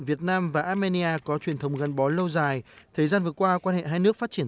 việt nam và armenia có truyền thống gắn bó lâu dài thời gian vừa qua quan hệ hai nước phát triển